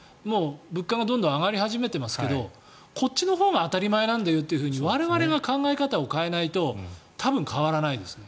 物価がどんどん上がり始めていますがこっちのほうが当たり前なんだよというふうに我々が考え方を変えないと多分変わらないですね。